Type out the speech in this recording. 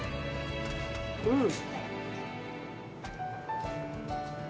うん。